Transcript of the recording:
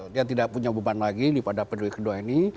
dia tidak punya beban lagi pada penduduk kedua ini